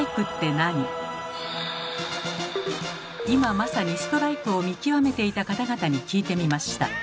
今まさにストライクを見極めていた方々に聞いてみました。